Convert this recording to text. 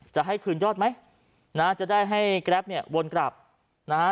จะให้คืนยอดไหมนะจะได้ให้แกรปเนี่ยวนกลับนะฮะ